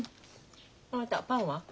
あなたパンは？